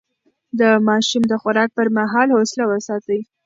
د ماشوم د خوراک پر مهال حوصله وساتئ.